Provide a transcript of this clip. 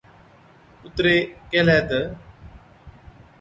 ڪُتري ڪيهلَي تہ،